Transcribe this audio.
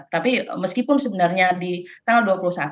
tapi meskipun sebenarnya di tanggal dua puluh satu